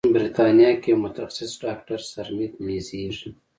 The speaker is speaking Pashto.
بریتانیا کې یو متخصص ډاکتر سرمید میزیر